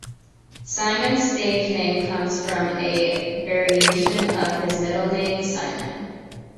Cymone's stage name comes from a variation of his middle name, Simon.